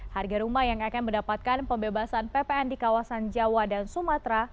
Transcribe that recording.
harga rumah yang akan mendapatkan pembebasan ppn di kawasan jawa dan sumatera